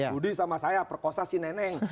budi sama saya perkosa si nenek